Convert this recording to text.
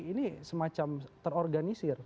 ini semacam terorganisir